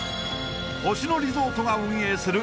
［星野リゾートが運営する］